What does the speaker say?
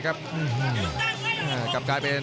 กำปั้นขวาสายวัดระยะไปเรื่อย